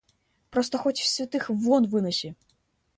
Просто хоть святых вон выноси!